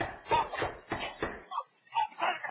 که آرام احساس کوئ، خوب ښه کېږي.